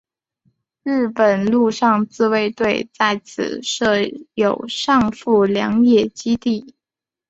日本陆上自卫队在此设有上富良野基地。